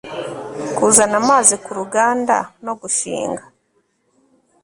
kuzana amazi ku ruganda no gushinga